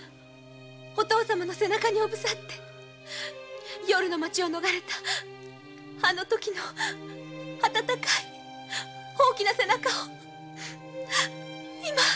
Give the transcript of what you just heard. お父さまの背中におぶさって夜の町を逃れたあのときの温かい大きな背中を今はっきりと思い出しました。